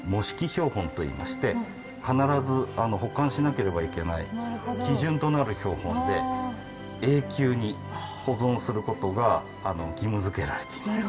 標本といいまして必ず保管しなければいけない基準となる標本で永久に保存することが義務づけられています。